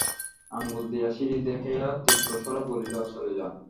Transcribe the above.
আঙুল দিয়া সিঁড়ি দেখাইয়া তীব্রস্বরে বলিল, চলে যান।